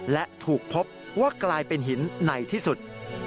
และถูกพบว่ากลายเป็นหินในที่สุด